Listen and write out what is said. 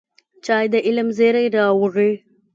چای د علم زېری راوړي